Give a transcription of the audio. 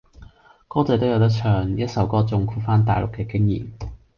歌仔都有得唱，一首歌總括番大陸嘅經驗